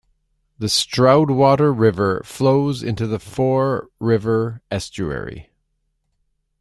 The Stroudwater River flows into the Fore River estuary.